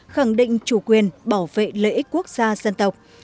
khẳng định chủ quyền bảo vệ lợi ích quốc gia dân tộc